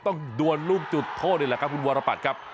ดวนลูกจุดโทษนี่แหละครับคุณวรปัตรครับ